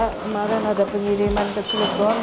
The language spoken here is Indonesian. kemarin ada pengiriman ke cilebon